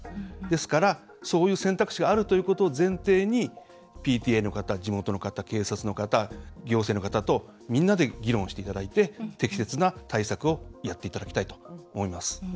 ですから、そういう選択肢があるということを前提にＰＴＡの方地元の方、警察の方行政の方とみんなで議論していただいて、適切な対策をやっていただきたいと思います。